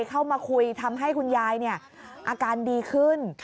เข้ามาคุยทำให้คุณยายอาการดีขึ้น